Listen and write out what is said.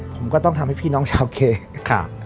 ผมก็ต้องทำให้พี่น้องชาวเคค่ะ